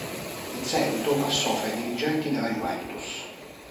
In seguito passò fra i dirigenti della Juventus.